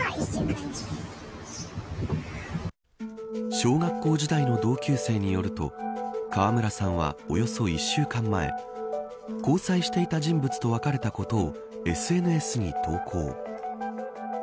小学校時代の同級生によると川村さんは、およそ１週間前交際していた人物と別れたことをＳＮＳに投稿。